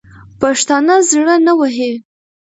پښتانه زړه نه وهي.